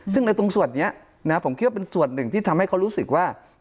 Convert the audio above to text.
ซึ่งในตรงส่วนนี้ผมคิดว่าเป็นส่วนหนึ่งที่ทำให้เขารู้สึกว่า